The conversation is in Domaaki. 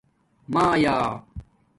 مایآ